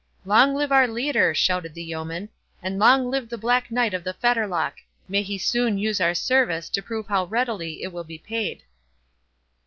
"Long live our leader!" shouted the yeomen, "and long live the Black Knight of the Fetterlock!—May he soon use our service, to prove how readily it will be paid."